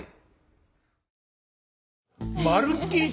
まるっきり